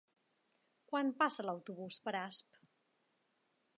Quan passa l'autobús per Asp?